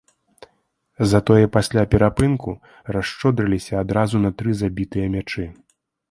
Затое пасля перапынку расшчодрыліся адразу на тры забітыя мячы.